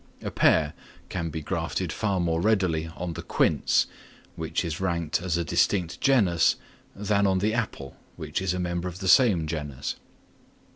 The pear can be grafted far more readily on the quince, which is ranked as a distinct genus, than on the apple, which is a member of the same genus.